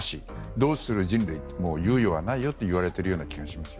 どうする人類、猶予はないと言われているような気がします。